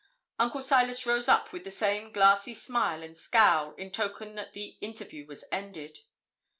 Uncle Silas rose up with the same glassy smile and scowl, in token that the interview was ended.